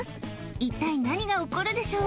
一体何が起こるでしょう？